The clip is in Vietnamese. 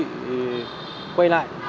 thì quay lại